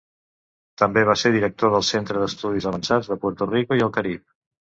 També va ser Director del Centre d'Estudis Avançats de Puerto Rico i el Carib.